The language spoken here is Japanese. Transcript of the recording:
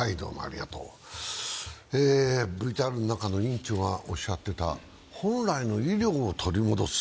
ＶＴＲの中の院長がおっしゃっていた、本来の医療を取り戻す。